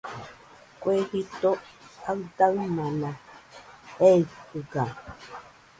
Kue jito aɨdaɨmana jeikɨga